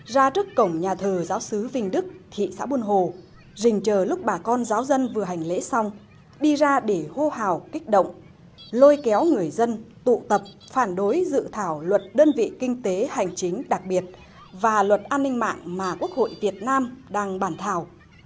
rình chờ lúc bà con giáo dân vừa hành lễ xong đi ra để hô hào kích động lôi kéo người dân tụ tập phản đối dự thảo luật đơn vị kinh tế hành chính đặc biệt và luật an ninh mạng mà quốc hội việt nam đang bàn thảo